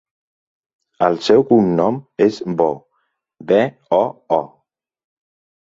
El seu cognom és Boo: be, o, o.